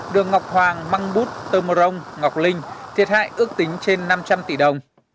đường ngọc hoàng măng bút tơ mơ rông ngọc linh thiệt hại ước tính trên năm trăm linh tỷ đồng